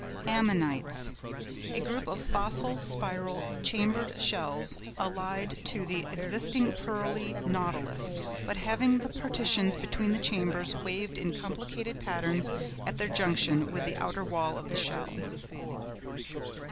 AMMONITES.—A group of fossil, spiral, chambered shells, allied to the existing pearly Nautilus, but having the partitions between the chambers waved in complicated patterns at their junction with the outer wall of the shell.